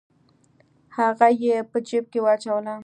هغه یې په جیب کې واچوله.